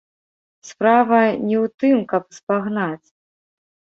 Справа не ў тым, каб спагнаць.